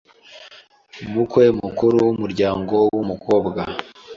umukwe mukuru w’umuryango w’umukobwa